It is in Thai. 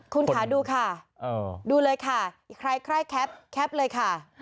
คุณค่ะดูค่ะดูเลยค่ะใครใครแคปเลยค่ะ